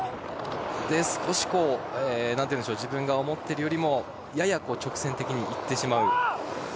少し自分が思ってるよりもやや直線的にいってしまう。